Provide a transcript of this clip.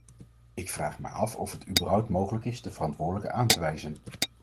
Ik vraag mij af of het überhaupt mogelijk is de verantwoordelijken aan te wijzen.